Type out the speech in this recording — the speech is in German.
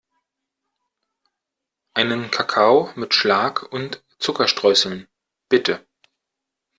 Einen Kakao mit Schlag und Zuckerstreuseln, bitte.